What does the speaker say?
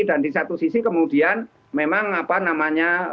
dan di satu sisi kemudian memang apa namanya